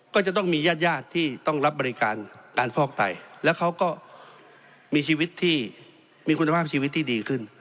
ก็จะต้องมีญาติญาติที่ต้องรับบริการการฟอกไตแล้วเขาก็มีชีวิตที่มีคุณภาพชีวิตที่ดีขึ้น